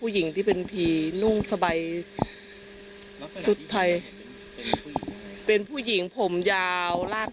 ผู้หญิงที่เป็นผีนุ่งสบายชุดไทยเป็นผู้หญิงผมยาวลาก